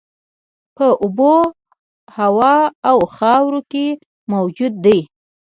په اوبو، هوا او خاورو کې موجود دي.